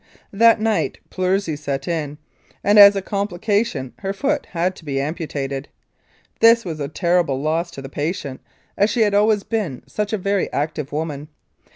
That night pleurisy set in, and as a complication her foot had to be amputated. This was a terrible loss to the patient, as she had always been such a very active woman.